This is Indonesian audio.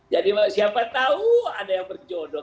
jadi siapa tahu ada yang berjodoh